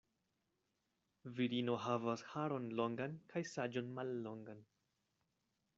Virino havas haron longan kaj saĝon mallongan.